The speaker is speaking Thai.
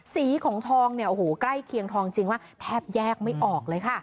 สีของทองเนี่ยโอ้โหใกล้เคียงทองจริงว่าแทบแยกไม่ออกเลยค่ะ